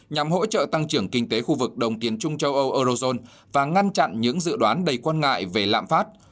nhằm hỗ trợ tăng trưởng kinh tế khu vực đồng tiền trung châu âu eurozone và ngăn chặn những dự đoán đầy quan ngại về lạm phát